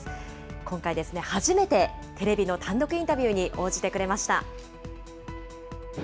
今回ですね、初めてテレビの単独インタビューに応じてくれました。